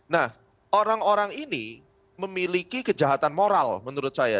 nah orang orang ini memiliki kejahatan moral menurut saya